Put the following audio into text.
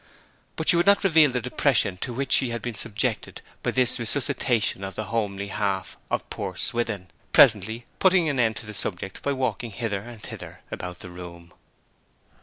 But she would not reveal the depression to which she had been subjected by this resuscitation of the homely half of poor Swithin, presently putting an end to the subject by walking hither and thither about the room.